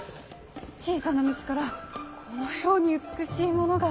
小さな虫からこのように美しいものが。